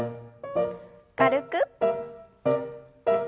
軽く。